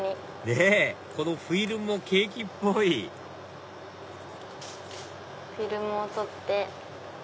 ねぇこのフィルムもケーキっぽいフィルムを取って。